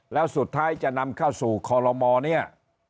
แล้วสุดท้ายจะนำเข้าสู่คอลโลมอเนี่ย